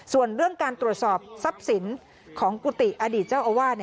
ส่วนเรื่องการตรวจสอบทรัพย์สินของกุฏิอดีตเจ้าอาวาส